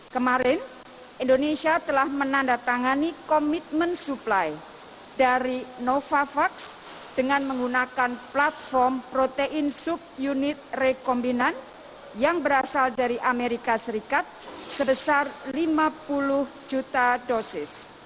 kemarin indonesia telah menandatangani komitmen supply dari novavax dengan menggunakan platform protein sub unit rekombinan yang berasal dari amerika serikat sebesar lima puluh juta dosis